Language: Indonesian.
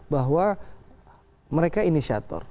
bahwa mereka inisiator